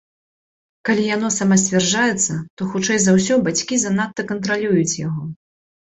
Калі яно самасцвярджаецца, то, хутчэй за ўсё, бацькі занадта кантралююць яго.